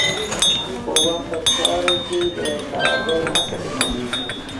اووم په چارو کې د تعادل اصل دی.